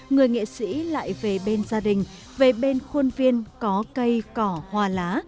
người nghệ sĩ lại về bên gia đình về bên khuôn viên có cây cỏ hòa lá